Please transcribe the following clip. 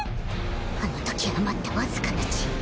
あの時余ったわずかな血。